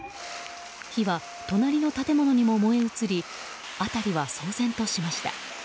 火は隣の建物にも燃え移り辺りは騒然としました。